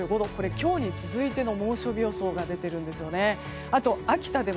今日に続いての猛暑日予想が出ているんです。